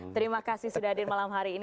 terima kasih sudah hadir malam hari ini